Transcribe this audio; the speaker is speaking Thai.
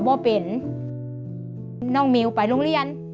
ช่วยพ่อที่ลุงเรียน